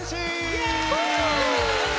イエーイ！